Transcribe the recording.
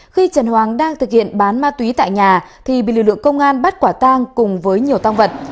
khi trần hoàng đang thực hiện bán ma túy tại nhà thì bị lực lượng công an bắt quả tang cùng với nhiều tăng vật